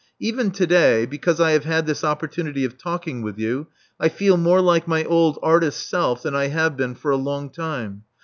Even to day, because I have had this opportunity of talking with you, I feel more like my old artist self than I have been for a longtime.